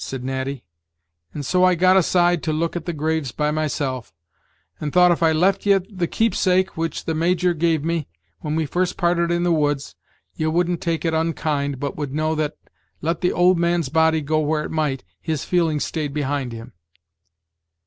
said Natty, "and so I got aside to look at the graves by myself, and thought if I left ye the keep sake which the Major gave me, when we first parted in the woods, ye wouldn't take it unkind, but would know that, let the old man's body go where it might, his feelings stayed behind him."